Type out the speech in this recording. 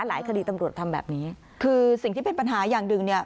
คดีตำรวจทำแบบนี้คือสิ่งที่เป็นปัญหาอย่างหนึ่งเนี่ย